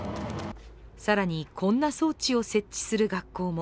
更に、こんな装置を設置する学校も。